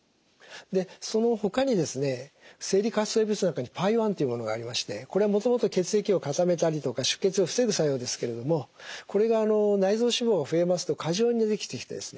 そのほかにですね生理活性物質の中にＰＡＩ−１というものがありましてこれはもともと血液を固めたりとか出血を防ぐ作用ですけれどもこれが内臓脂肪が増えますと過剰にできてきてですね